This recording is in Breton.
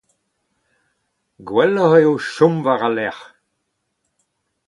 Gwelloc'h eo chom war al lec'h.